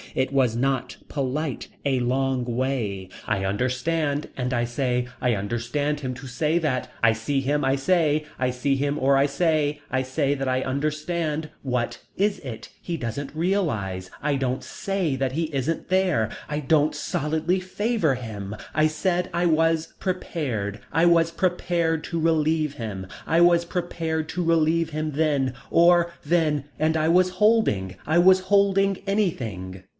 It was not polite. A long way. I understand and I say, I understand him to say that, I see him I say I see him or I say, I say that I understand. What is it. He doesn't realise. I don't say that he isn't there I don't solidly favor him. I said I was prepared. I was prepared to relieve him. I was prepared to relieve him then or then and I was holding, I was holding anything.